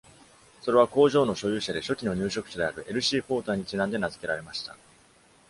それは工場の所有者で初期の入植者である L. C. ポーターにちなんで名付けられました。